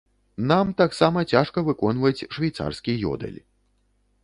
Нам таксама цяжка выконваць швейцарскі ёдэль.